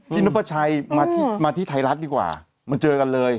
นกพระชัยมาที่ไทยรัฐดีกว่ามาเจอกันเลย